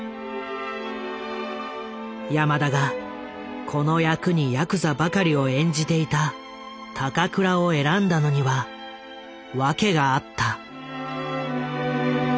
山田がこの役にヤクザばかりを演じていた高倉を選んだのには訳があった。